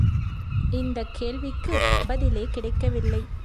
இந்தக் கேள்விக்குப் பதிலே கிடைக்கவில்லை.